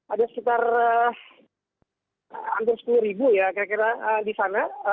ada sekitar hampir sepuluh ribu ya kira kira di sana